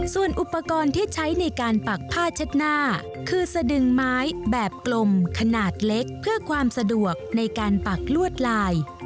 ส่วนอุปกรณ์ที่ใช้ในการปักผ้าเช็ดหน้าคือสะดึงไม้แบบกลมขนาดเล็กเพื่อความสะดวกในการปักลวดลาย